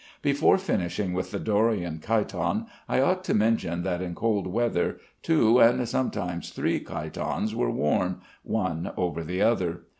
Before finishing with the Dorian chiton, I ought to mention that in cold weather two (and sometimes three) chitons were worn, one over the other.